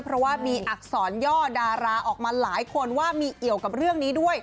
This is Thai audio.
เพราะว่ามีอักษรย่อดาราออกมาหลายคนว่ามีเกี่ยวกับเรื่องนี้ด้วย